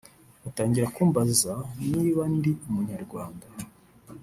atangira kumbaza niba ndi Umunyarwanda